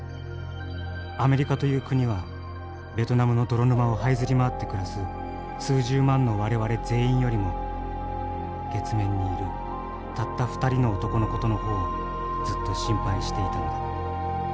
アメリカという国はベトナムの泥沼を這いずり回って暮らす数十万の我々全員よりも月面にいるたった２人の男の事の方をずっと心配していたのだ。